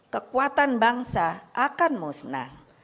kekuatan bangsa akan musnah